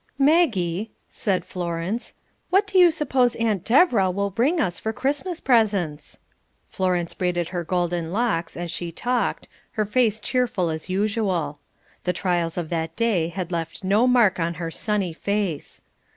"Maggie," said Florence, "what do you suppose Aunt Deborah will bring us for Christmas presents?" Florence braided her golden locks as she talked, her face cheerful as usual. The trials of that day had left no mark on her sunny face.